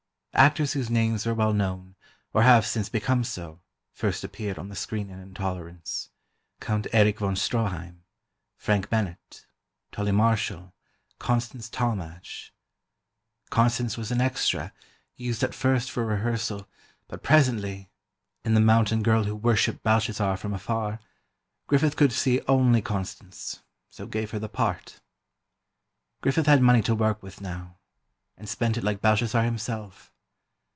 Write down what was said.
Actors whose names were well known, or have since become so, first appeared on the screen in "Intolerance": Count Erich von Stroheim, Frank Bennett, Tully Marshall, Constance Talmadge. Constance was an extra, used at first for rehearsal, but presently—in the "Mountain Girl who worshipped Belshazzar from afar"—Griffith could see only Constance, so gave her the part. Griffith had money to work with, now, and spent it like Belshazzar himself.